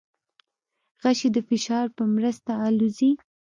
غشی د فشار په مرسته الوزي.